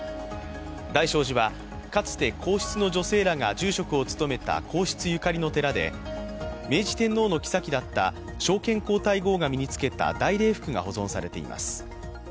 大聖寺はかつて皇室の女性らが住職を務めた皇室ゆかりの寺で明治天皇の后だった昭憲皇太后が身に着けた大礼服が保存されています。